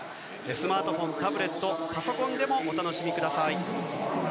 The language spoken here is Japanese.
スマートフォン、タブレットパソコンでもお楽しみください。